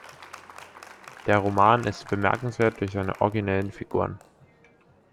Der Roman ist bemerkenswert durch seine originellen Figuren.